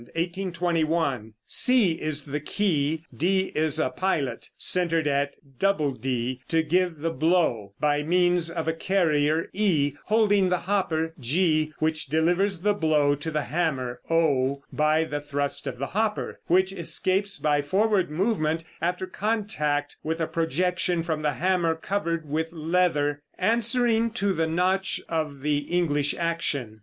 (1821.) C is the key; d is a pilot, centered at dd to give the blow, by means of a carrier, e, holding the hopper, g, which delivers the blow to the hammer, o, by the thrust of the hopper, which escapes by forward movement after contact with a projection from the hammer covered with leather, answering to the notch of the English action.